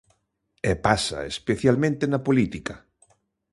E pasa, especialmente na política.